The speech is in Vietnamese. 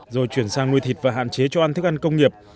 rồi chuyển sang nuôi thịt và hạn chế cho ăn thức ăn công nghiệp